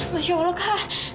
masya allah kak